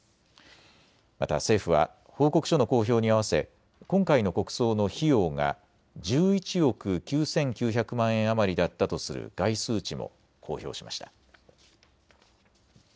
また政府は報告書の公表に合わせ今回の国葬の費用が１１億９９００万円余りだったとする概数値も公表しました。